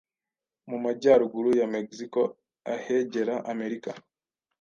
mu majyaruguru ya Mexico ahegera Amerika.